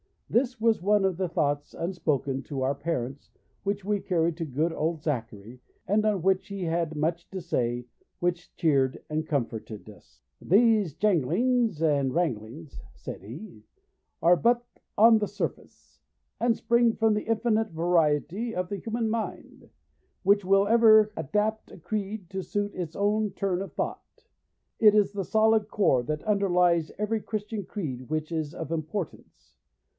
This was one of the thoughts unspoken to our parents which we carried to good old Zachary, and on which he had much to say which cheered and comforted us. 'These janglings and wranglings,' said he, 'are but on the surface, and spring from the infinite variety of the human mind, which will ever adapt a creed to suit its own turn of thought. It is the solid core that underlies every Christian creed which is of importance.